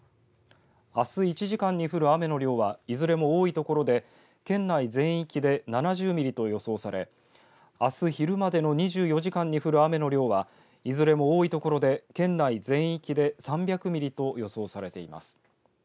あす１時間に降る雨の量はいずれも多い所で県内全域で７０ミリと予想されあす昼までの２４時間に降る雨の量は、いずれも多い所で県内全域で３００ミリと予想されています。